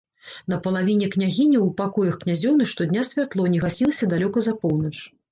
На палавіне княгіні і ў пакоях князёўны штодня святло не гасілася далёка за поўнач.